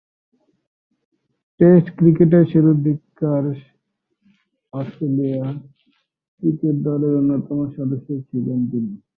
Test ক্রিকেটের শুরুর দিককার অস্ট্রেলিয়া ক্রিকেট দলের অন্যতম সদস্য ছিলেন তিনি।